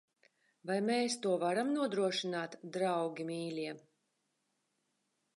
Vai mēs to varam nodrošināt, draugi mīļie?